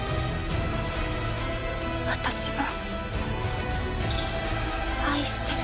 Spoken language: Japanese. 私も愛してる。